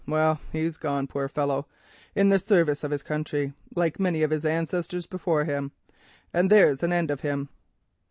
Well, he's gone, poor fellow, in the service of his country, like many of his ancestors before him, and there's an end of him."